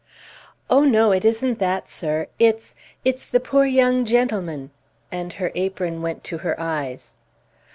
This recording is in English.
"Oh, no, it isn't that, sir. It's it's the poor young gentleman " And her apron went to her eyes.